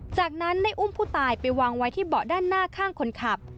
จากนั้นได้อุ้มผู้ตายไปวางไว้ที่เบาะด้านหน้าข้างคนขับ